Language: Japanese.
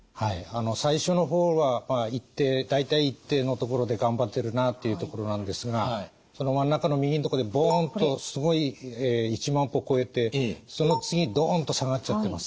最初の方は大体一定のところで頑張ってるなというところなんですがその真ん中の右のところでボンとすごい１万歩超えてその次ドンと下がっちゃってます。